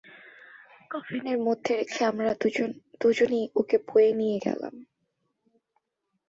কফিনের মধ্যে রেখে আমরা দুজনেই ওঁকে বয়ে নিয়ে গেলাম।